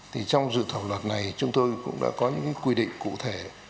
thì trong dự thảo luật này chúng tôi cũng đã có những quy định cụ thể